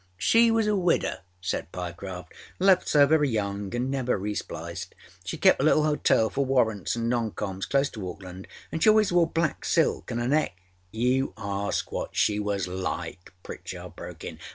â âShe was a widow,â said Pyecroft. âLeft so very young and never re spliced. She kepâ a little hotel for warrants and non coms close to Auckland, anâ she always wore black silk, and âer neckââ âYou ask what she was like,â Pritchard broke in.